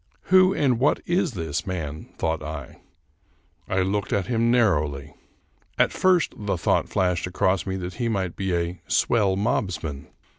Who and what is this man? thought I. I looked at him narrowly. At first the thought flashed across me that he might be a " swell mobsman."